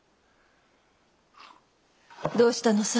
どうしたのさ？